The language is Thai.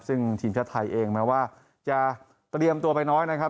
ซึ่งทีมชาติไทยเองแม้ว่าจะเตรียมตัวไปน้อยนะครับ